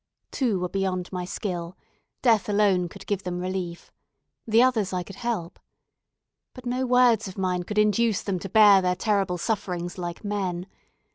Two were beyond my skill. Death alone could give them relief. The others I could help. But no words of mine could induce them to bear their terrible sufferings like men.